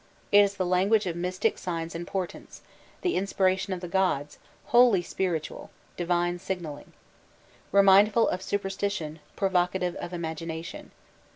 It is the language of mystic signs and portents the inspiration of the gods wholly spiritual divine signalling. Remindful of superstition, provocative of imagination.